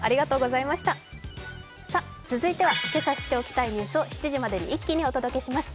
続いてはけさ知っておきたいニュースを７時までに一気にお届けします。